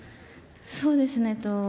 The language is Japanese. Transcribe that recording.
そうですね。